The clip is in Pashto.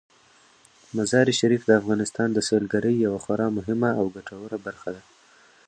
مزارشریف د افغانستان د سیلګرۍ یوه خورا مهمه او ګټوره برخه ده.